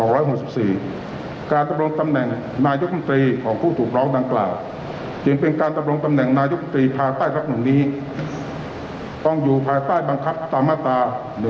และผู้ถูกร้องดำรวมตำแหน่งนายกลุ่มตรีของผู้ถูกร้องดำกล่าวจึงเป็นการตำรวมตำแหน่งนายกลุ่มตรีภายใต้รับหนุนนี้ต้องอยู่ภายใต้บังคับตามมาตรา๒๕๖